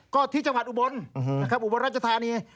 ก็ที่จังหวัดอุบลนะครับอุบลรัชธานี